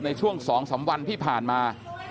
ในช่วง๒๓วันที่ผ่านมา